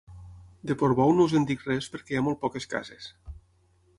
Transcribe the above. De Portbou no us en dic res perquè hi ha molt poques cases.